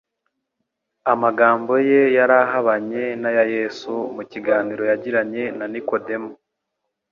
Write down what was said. amagambo ye yari ahabanye n’aya Yesu mu kiganiro yagiranye na Nikodemu.